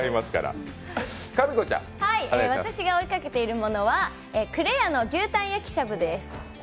私が追いかけているものは紅れやの牛タン焼きしゃぶです。